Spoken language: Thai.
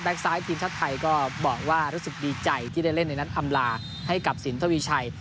ซ้ายทีมชาติไทยก็บอกว่ารู้สึกดีใจที่ได้เล่นในนัดอำลาให้กับสินทวีชัย